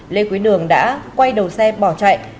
lê quý đường đã quay đầu xe bỏ chạy